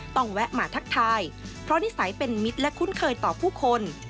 แวะมาทักทายเพราะนิสัยเป็นมิตรและคุ้นเคยต่อผู้คน